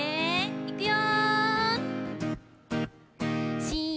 いくよ。